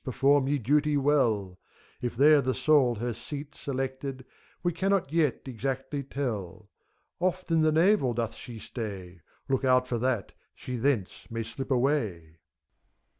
perform your duty well: If there the Soul her seat selected We cannot yet exactly tell. Oft in the navel doth she stay : Look out for that, she thence may slip away